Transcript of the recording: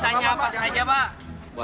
saat ini kami melihat bahwa